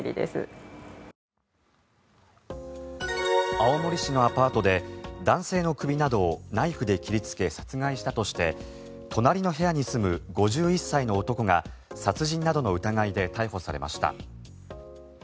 青森市のアパートで男性の首などをナイフで切りつけ殺害したとして隣の部屋に住む５１歳の男が殺人などの疑いで逮捕されました。